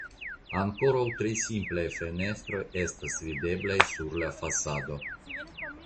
Ankoraŭ tre simplaj fenestroj estas videblaj sur la fasado.